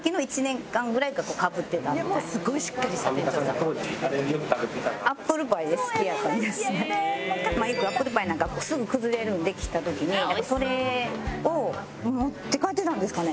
よくアップルパイなんかはすぐ崩れるんで切った時にそれを持って帰ってたんですかね？